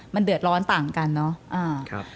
มันเดือดร้อนต่างกันเนอะ